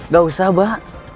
gak usah mbak